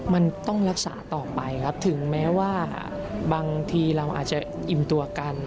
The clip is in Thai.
มันต้องรักษาต่อไปครับถึงแม้ว่าบางทีเราอาจจะอิ่มตัวกัน